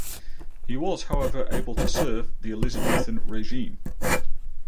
He was however able to serve the Elizabethan regime.